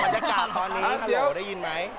มันยากมาตอนนี้เหรอได้ยินไหม